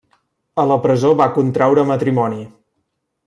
A la presó, va contraure matrimoni.